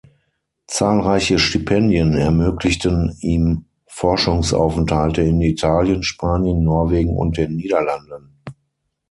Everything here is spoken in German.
Zahlreiche Stipendien ermöglichten ihm Forschungsaufenthalte in Italien, Spanien, Norwegen und den Niederlanden.